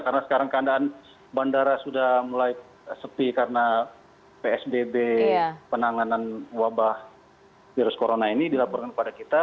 karena sekarang keadaan bandara sudah mulai sepi karena psbb penanganan wabah virus corona ini dilaporkan kepada kita